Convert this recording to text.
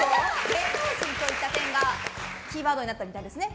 芸能人といった点がキーワードになったみたいですね。